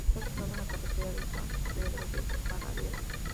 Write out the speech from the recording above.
Está situado en la carretera que va a San Pedro de Paradela.